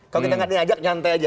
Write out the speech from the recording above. kalau kita nggak diajak nyantai aja